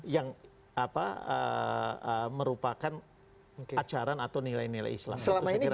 yang merupakan ajaran atau nilai nilai islam